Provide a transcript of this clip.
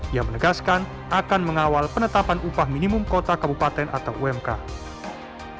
ia menegaskan akan mengawal penetapan upah minimum kota kabupaten atau umkm